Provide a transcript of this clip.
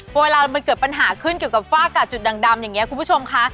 เวลามันเกิดปัญหาขึ้นเกี่ยวกับฝ้ากาศจุดดังอย่างนี้คุณผู้ชมค่ะ